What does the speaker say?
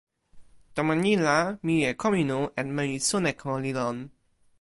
tomo ni la mije Kominu en meli Suneko li lon.